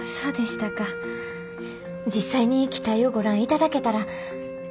実際に機体をご覧いただけたら。